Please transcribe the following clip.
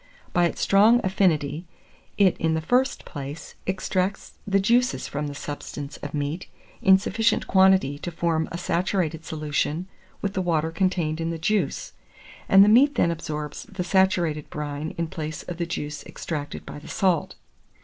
By its strong affinity, it, in the first place, extracts the juices from the substance of meat in sufficient quantity to form a saturated solution with the water contained in the juice, and the meat then absorbs the saturated brine in place of the juice extracted by the salt.